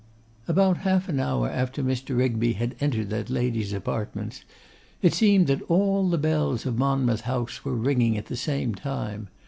About half an hour after Mr. Rigby had entered that lady's apartments it seemed that all the bells of Monmouth House were ringing at the same time.